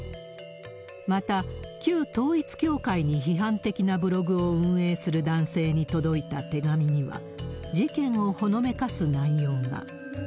また、旧統一教会に批判的なブログを運営する男性に届いた手紙には、事件をほのめかす内容が。